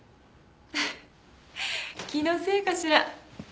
フフッ気のせいかしら？